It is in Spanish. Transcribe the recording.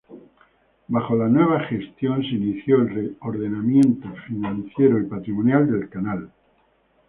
Bajo la nueva gestión se inició el reordenamiento financiero y patrimonial del canal.